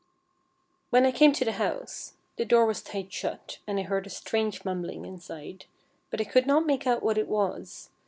When I came to the house, the door was tight shut, and I heard a strange mumbling inside, but I could not make out what it was.